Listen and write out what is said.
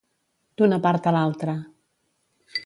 D'una part a l'altra.